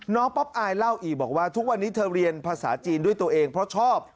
ป๊อปอายเล่าอีกบอกว่าทุกวันนี้เธอเรียนภาษาจีนด้วยตัวเองเพราะชอบ